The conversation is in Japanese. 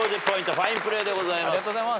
ファインプレーでございます。